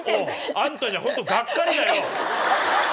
あんたにゃ、本当、がっかりだよ。